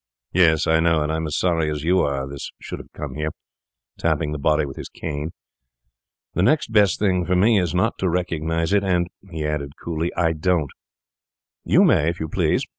Yes, I know; and I'm as sorry as you are this should have come here,' tapping the body with his cane. 'The next best thing for me is not to recognise it; and,' he added coolly, 'I don't. You may, if you please.